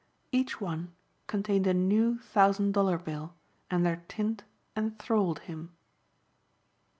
Each one contained a new thousand dollar bill and their tint enthralled him.